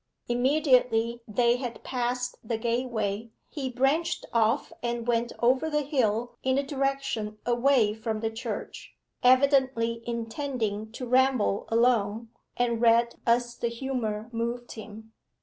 Immediately they had passed the gateway he branched off and went over the hill in a direction away from the church, evidently intending to ramble along, and read as the humour moved him.